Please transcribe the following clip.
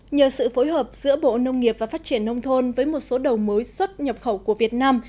nhờ sự phối hợp giữa bộ nông nghiệp và phát triển nông thôn với một số đầu mối xuất nhập khẩu của việt nam